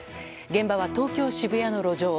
現場は東京・渋谷の路上。